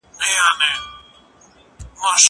زه پرون پلان جوړ کړ!؟